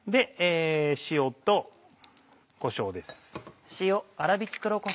塩とこしょうです。